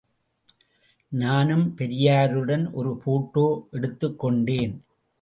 நானும் பெரியாருடன் ஒரு போட்டோ எடுத்துக் கொண்டேன்.